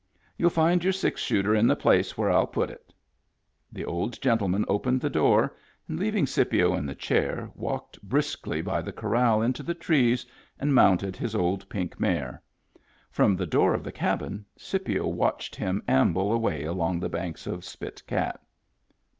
" Youll find your six shooter in the place where I'll put it" The old gentleman opened the door, and, leav ing Scipio in the chair, walked briskly by the corral into the trees and mounted his old pink mare. From the door of the cabin Scipio watched him amble away along the banks of Spit Cat.